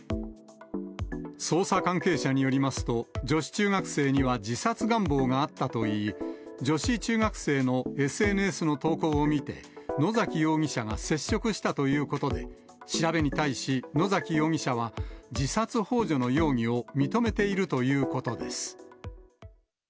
捜査関係者によりますと、女子中学生には自殺願望があったといい、女子中学生のＳＮＳの投稿を見て、野崎容疑者が接触したということで、調べに対し、野崎容疑者は自殺ほう助の容疑を認めているということです。